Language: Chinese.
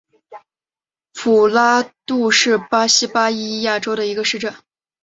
普拉杜是巴西巴伊亚州的一个市镇。